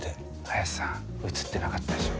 林さん映ってなかったでしょ。